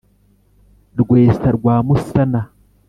rwesa rwa musana